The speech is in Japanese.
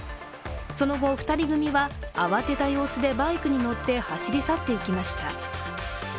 その後、２人組は慌てた様子でバイクに乗って走り去っていきました。